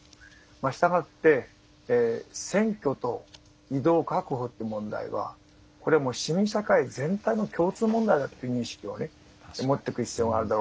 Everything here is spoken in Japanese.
したがって選挙と移動確保という問題はこれはもう市民社会全体の共通問題だという認識を持っておく必要があるだろうと。